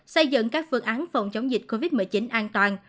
xây dựng các phương án phòng chống dịch covid một mươi chín an toàn